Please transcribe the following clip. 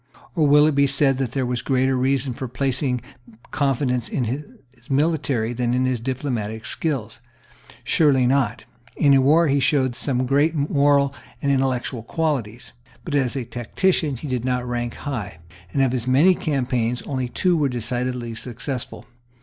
Or will it be said that there was greater reason for placing confidence in his military than in his diplomatic skill? Surely not. In war he showed some great moral and intellectual qualities; but, as a tactician, he did not rank high; and of his many campaigns only two were decidedly successful.